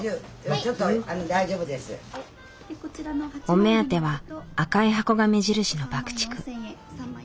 お目当ては赤い箱が目印の爆竹。